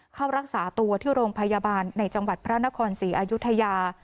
เข้ารักษาตัวที่โรงพยาบาลในจังหวัดพระนครศรีอายุทยา